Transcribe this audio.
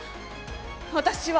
私は。